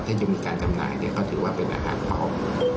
ถ้าจะมีการจำหน่ายก็ถือว่าเป็นอาหารเป้า